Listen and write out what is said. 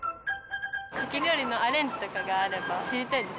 カキ料理のアレンジとかがあれば知りたいです。